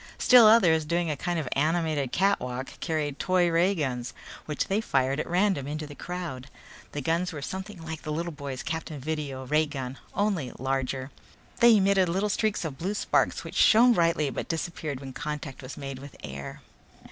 Still others, doing a kind of animated cakewalk, carried toy ray guns which they fired at random into the crowd. The guns were something like the little boy's Captain Video ray gun, only larger. They emitted little streaks of blue sparks which shone brightly but disappeared when contact was made with air.